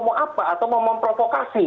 mau apa atau mau memprovokasi